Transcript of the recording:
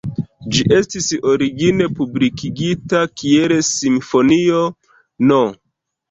Ĝi estis origine publikigita kiel "Simfonio No.